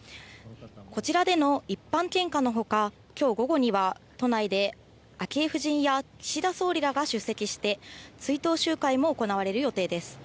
こちらでの一般献花の他、きょう午後には都内で昭恵夫人や岸田総理らが出席して、追悼集会も行われる予定です。